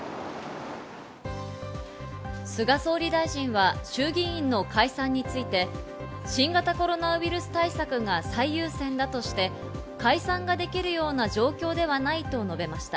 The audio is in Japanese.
菅総理大臣は衆議院の解散について、新型コロナウイルス対策が最優先だとして、解散ができるような状況ではないと述べました。